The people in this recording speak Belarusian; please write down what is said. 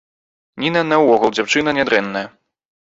Ніна наогул дзяўчына нядрэнная.